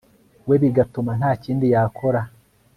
we bigatuma nta kindi yakora